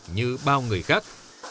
như bao người khác